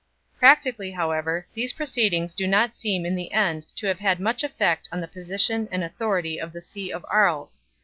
Practically, however, these pro ceedings do not seem in the end to have had much effect on the position and authority of the see of Aries 4